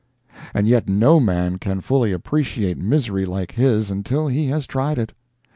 And yet no man can fully appreciate misery like his until he has tried it.